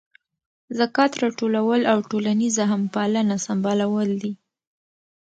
ذکات راټولول او ټولنیزه همپالنه سمبالول دي.